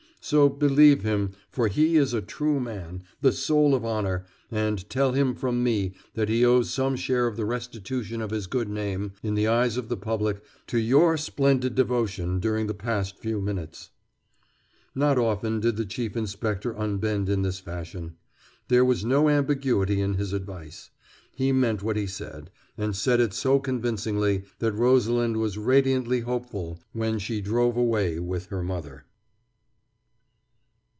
So, believe him, for he is a true man, the soul of honor, and tell him from me that he owes some share of the restitution of his good name in the eyes of the public to your splendid devotion during the past few minutes." Not often did the Chief Inspector unbend in this fashion. There was no ambiguity in his advice. He meant what he said, and said it so convincingly that Rosalind was radiantly hopeful when she drove away with her mother.